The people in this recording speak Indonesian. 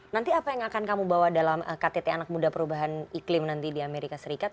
nanti apa yang akan kamu bawa dalam ktt anak muda perubahan iklim nanti di amerika serikat